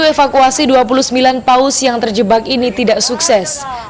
sepuluh evakuasi dua puluh sembilan paus yang terjebak ini tidak sukses